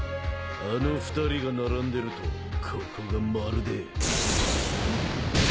あの２人が並んでるとここがまるで。